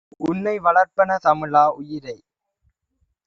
உன்னை வளர்ப்பன தமிழா! - உயிரை